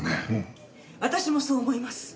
私もそう思います。